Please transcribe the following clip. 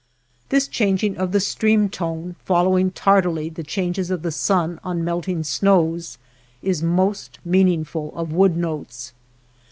This changing of the stream tone following tardily the changes of the sun on melting snows is most meaningful of wood notes.